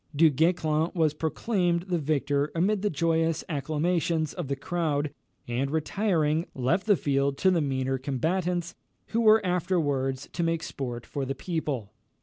Du Guesclin was proclaimed the victor amid the joyous acclamations of the crowd, and retiring, left the field to the meaner combatants, who were afterwards to make sport for the people.